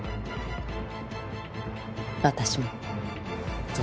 私も。